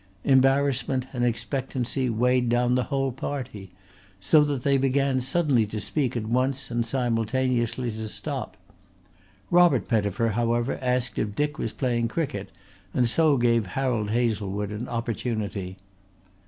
Embarrassment and expectancy weighed down the whole party, so that they began suddenly to speak at once and simultaneously to stop. Robert Pettifer however asked if Dick was playing cricket, and so gave Harold Hazlewood an opportunity.